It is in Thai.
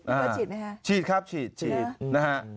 พี่เบิร์ดฉีดไหมครับฉีดครับฉีดฉีดนะฮะแต่ว่า